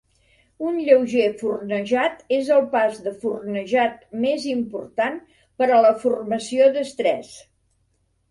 Un lleuger fornejat és el pas de fornejat més important per a la formació d'estrès.